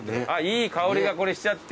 いい香りがこれしちゃって。